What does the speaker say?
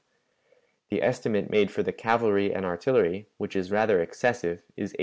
The estimate made for the cavalry and artillery, which is rather excessive, is 8,000.